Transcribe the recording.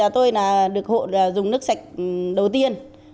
tôi được hộ dùng nước sạch đầu tiên